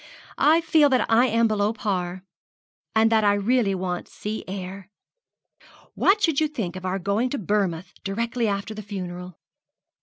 'I feel that I am below par, and that I really want sea air. What should you think of our going to Bournemouth directly after the funeral?'